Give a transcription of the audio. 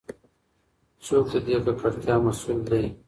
څوک د دې ککړتیا مسؤل دی؟